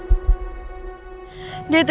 karena bayi itu